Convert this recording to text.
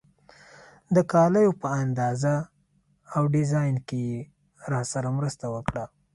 د کالیو په اندازه او ډیزاین کې یې راسره مرسته وکړه.